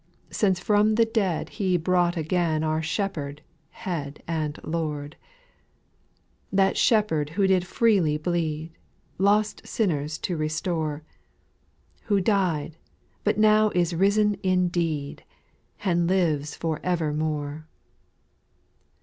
Since from the dead He brought again Our Shepherd, Head, and Lord ;— That Shepherd who did freely bleed, Lost sinners to restore, Who died, but now is risen indeed. And lives for evermore.